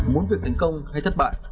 muốn việc thành công hay thất bại